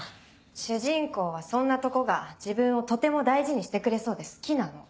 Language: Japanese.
主人公はそんなとこが自分をとても大事にしてくれそうで好きなの。